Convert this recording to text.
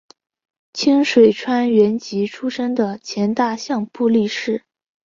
清水川元吉出身的前大相扑力士。